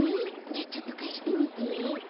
じゃあちょっとかしてみて。